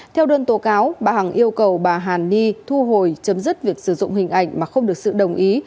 theo đơn tố cáo bà hằng yêu cầu bà hàn ni thu hồi chấm dứt việc sử dụng hình ảnh mà không được sự đồng ý